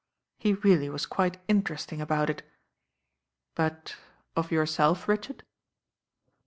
He really was quite interesting about it. But of your self, Richard?"